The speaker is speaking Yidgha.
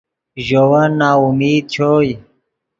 ژے ون ناامید چوئے